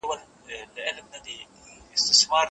دې خاموش کور ته د خبرو بلبللکه راځي